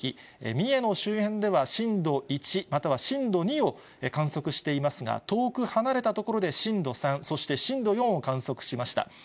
三重の周辺では、震度１または震度２を観測していますが、遠く離れた所で震度３、そして震度４を観測しました。